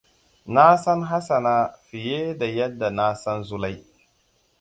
Na san Hassana fiye da yadda na san Zulai.